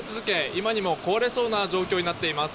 今にも壊れそうな状況になっています。